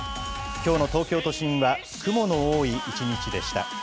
きょうの東京都心は雲の多い一日でした。